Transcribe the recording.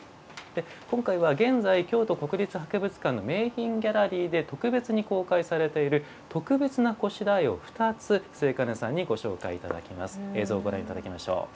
今回は現在、京都国立博物館名品ギャラリーで特別に公開されている特別な拵を２つ末兼さんにご紹介いただきます。